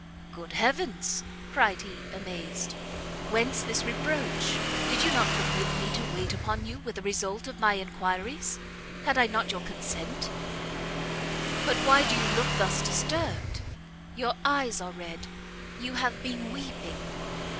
"Good heavens," cried he, amazed, "whence this reproach? Did you not permit me to wait upon you with the result of my enquiries? Had I not your consent but why do you look thus disturbed? Your eyes are red, you have been weeping.